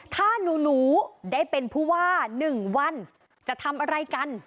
ถ้าหนูได้เป็นผู้ว่า๑วันจะทำอะไรกัน